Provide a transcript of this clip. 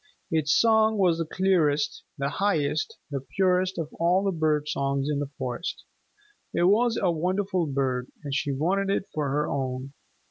Its song was the clearest, the highest, the purest of all the bird songs in the forest. It was a wonderful bird, and she wanted it for her own.